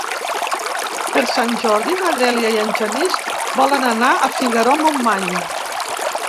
Per Sant Jordi na Dèlia i en Genís volen anar a Figaró-Montmany.